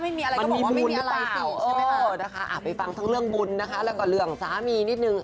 มันมีบุญหรือเปล่านะคะไปฟังทั้งเรื่องบุญนะคะแล้วก็เรื่องสามีนิดนึง